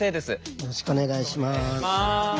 よろしくお願いします。